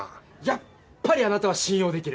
やっぱりあなたは信用できる。